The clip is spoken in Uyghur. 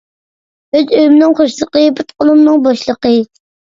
ئۆز ئۆيۈمنىڭ خۇشلىقى، پۇت قۇلۇمنىڭ بوشلىقى.